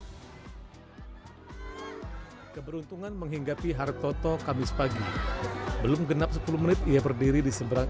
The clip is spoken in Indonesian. hai keberuntungan menghinggapi hartoto kamis pagi belum genap sepuluh menit ia berdiri di seberang